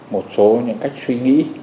một số những cách suy nghĩ